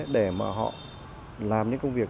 để mà họ làm những công việc